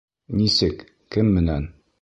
— Нисек, кем менән?